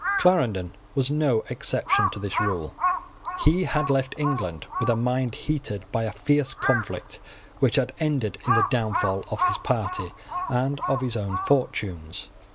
Clarendon was no exception to this rule. He had left England with a mind heated by a fierce conflict which had ended in the downfall of his party and of his own fortunes.